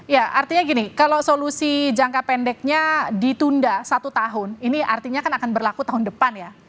ya artinya gini kalau solusi jangka pendeknya ditunda satu tahun ini artinya kan akan berlaku tahun depan ya